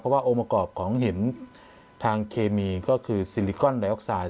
เพราะว่าองค์ประกอบของหินทางเคมีก็คือซิลิกอนไดออกไซด์